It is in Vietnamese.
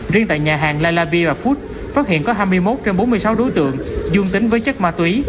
riêng tại nhà hàng la la beer food phát hiện có hai mươi một trên bốn mươi sáu đối tượng dương tính với chất ma túy